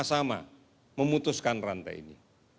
sama sama memutuskan rantai ini